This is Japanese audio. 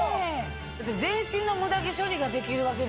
だって全身のムダ毛処理ができるわけですからね。